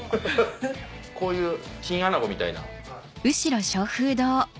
こういうチンアナゴみたいな。